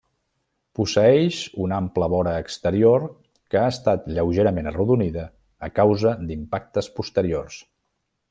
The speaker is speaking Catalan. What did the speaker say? Posseeix una ampla vora exterior que ha estat lleugerament arrodonida a causa d'impactes posteriors.